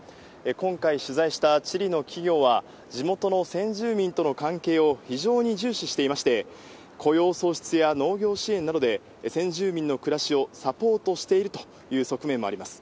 今回、取材したチリの企業は、地元の先住民との関係を非常に重視していまして、雇用創出や農業支援などで、先住民の暮らしをサポートしているという側面もあります。